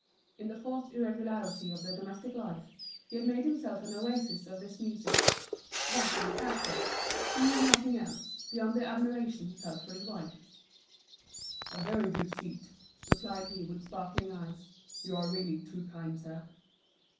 In the forced irregularity of their domestic life he had made himself an oasis of this music—that and the cash box, he knew of nothing else, beyond the admiration he felt for his wife. "A very good seat," replied he, with sparkling eyes. "You are really too kind, sir."